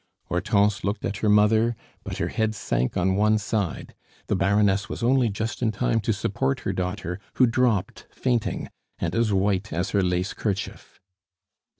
Hortense looked at her mother, but her head sank on one side; the Baroness was only just in time to support her daughter, who dropped fainting, and as white as her lace kerchief.